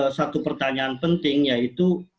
jadi satu pertanyaan penting yaitu